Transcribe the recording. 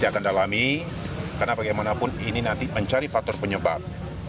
kita akan dalami karena bagaimanapun ini nanti mencari faktor penyebab